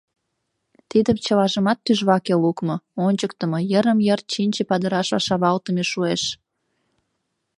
Тидым чылажымат тӱжваке лукмо, ончыктымо, йырым-йыр чинче падырашла шавалтыме шуэш!